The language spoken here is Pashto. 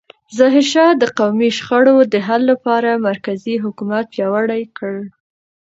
ظاهرشاه د قومي شخړو د حل لپاره مرکزي حکومت پیاوړی کړ.